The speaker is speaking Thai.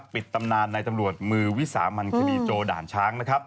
ปิดตำนานในตำรวจมือวิสามัญคบีโจด่านช้าง